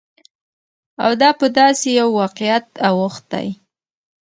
او دا په داسې يوه واقعيت اوښتى،